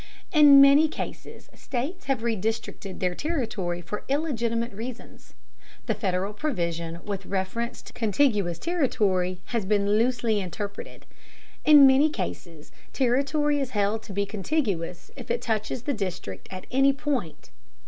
In many cases states have redistricted their territory for illegitimate reasons. The Federal provision with reference to contiguous territory has been loosely interpreted: in many cases territory is held to be contiguous if it touches the district at any point.